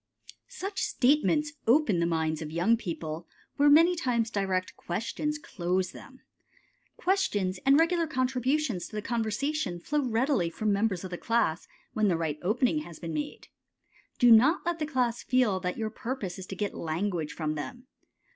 Such statements open the minds of young people where many times direct questions close them. Questions and regular contributions to the conversation flow readily from members of the class when the right opening has been made. Do not let the class feel that your purpose is to get language from them.